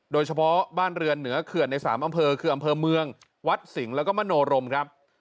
โดยเฉพาะบ้านเรือนเหนือเขื่อนใน๓อำเภอคืออำเภอเมืองวัดสิงห์แล้วก็มโนรมครับ